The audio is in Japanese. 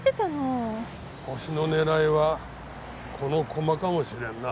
ホシの狙いはこの駒かもしれんな。